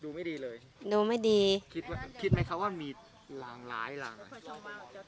ดูไม่ดีเลยดูไม่ดีคิดว่าคิดไหมคะว่ามีหลังหลายหลังหลาย